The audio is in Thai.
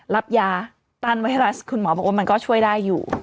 รับยาต้านไวรัสคุณหมอบอกว่ามันก็ช่วยได้อยู่